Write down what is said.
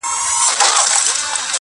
ځان کي مهوه سمه کله چي ځان وینم,